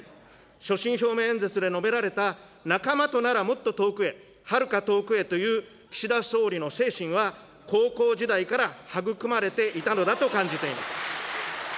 所信表明演説で述べられた仲間とならもっと遠くへ、はるか遠くへという岸田総理の精神は、高校時代から育まれていたのだと感じています。